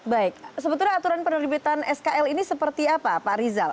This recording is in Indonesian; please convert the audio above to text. baik sebetulnya aturan penerbitan skl ini seperti apa pak rizal